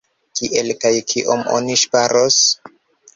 Kiel kaj kiom oni ŝparos?